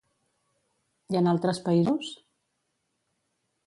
I en altres països?